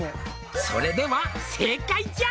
「それでは正解じゃ」